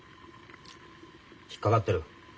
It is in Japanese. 引っ掛かってる。